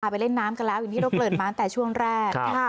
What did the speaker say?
ไปเล่นน้ำกันแล้วอย่างที่เราเกิดมาตั้งแต่ช่วงแรก